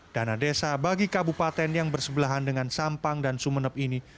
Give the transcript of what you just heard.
dana desa bagi kabupaten yang bersebelahan dengan sampang dan sumeneb ini